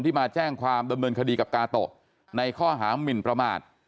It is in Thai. มาแจ้งความดำเนินคดีกับกาโตะในข้อหามินประมาท